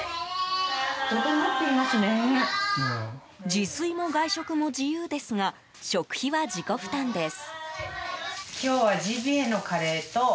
自炊も外食も自由ですが食費は自己負担です。